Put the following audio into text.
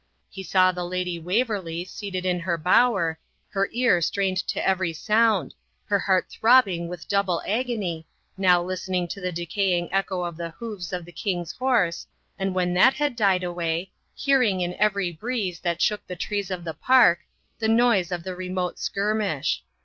He saw the Lady Waverley seated in her bower, her ear strained to every sound, her heart throbbing with double agony, now listening to the decaying echo of the hoofs of the king's horse, and when that had died away, hearing in every breeze that shook the trees of the park, the noise of the remote skirmish.